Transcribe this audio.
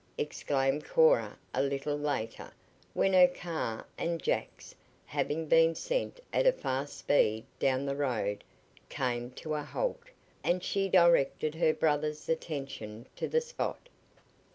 exclaimed Cora a little later, when her car and Jack's, having been sent at a fast speed down the road, came to a halt, and she directed her brother's attention to the spot.